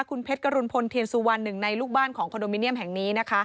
คุณเพชรกรุณพลเทียนสุวรรณหนึ่งในลูกบ้านของคอนโดมิเนียมแห่งนี้นะคะ